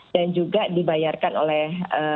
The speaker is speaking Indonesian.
dan juga dibayarkan oleh